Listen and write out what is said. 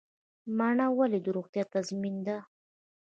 مڼه ولې د روغتیا تضمین ده؟